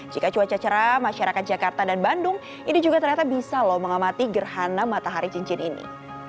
jika cuaca cerah masyarakat jakarta dan bandung ini juga ternyata bisa loh mengamati gerhana matahari cincin ini